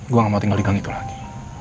gue gak mau tinggal di gang itu lagi